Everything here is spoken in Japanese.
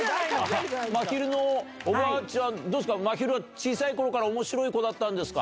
まひるのおばあちゃん、どうですか、まひる、小さいころからおもしろい子だったんですか？